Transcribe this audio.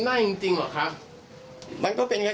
อยากทำความด้วย